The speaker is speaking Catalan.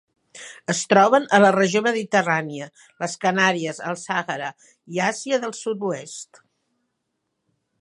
Es troben a la regió mediterrània, les Canàries, el Sàhara i Àsia dels sud-oest.